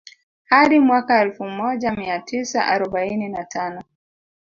Hadi mwaka Elfu moja mia tisa arobaini na tano